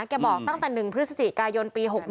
บอกตั้งแต่๑พฤศจิกายนปี๖๑